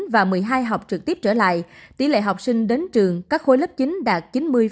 và một mươi hai học trực tiếp trở lại tỷ lệ học sinh đến trường các khối lớp chín đạt chín mươi sáu mươi chín